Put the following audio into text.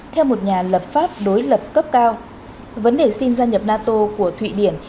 theo một nhà lập pháp đối lập cấp cao vấn đề xin gia nhập nato của thụy điển